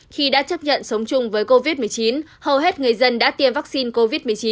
khi đã chấp nhận sống chung với covid một mươi chín hầu hết người dân đã tiêm vaccine covid một mươi chín